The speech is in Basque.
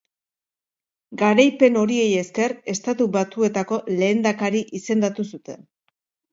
Garaipen horiei esker, Estatu Batuetako lehendakari izendatu zuten.